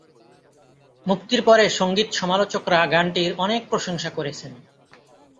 মুক্তির পরে সঙ্গীত সমালোচকরা গানটির অনেক প্রশংসা করেছেন।